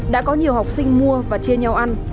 đã có nhiều học sinh mua và chia nhau ăn